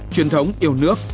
truyền thống yêu nước